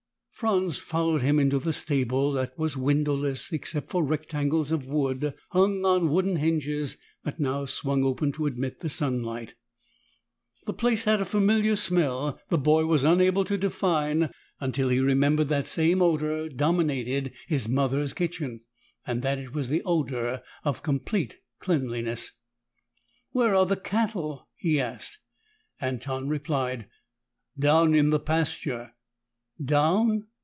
Franz followed him into the stable, that was windowless, except for rectangles of wood hung on wooden hinges that now swung open to admit the sunlight. The place had a familiar smell the boy was unable to define until he remembered that the same odor dominated his mother's kitchen, and that it was the odor of complete cleanliness. "Where are the cattle?" he asked. Anton replied, "Down in the pasture." "Down?"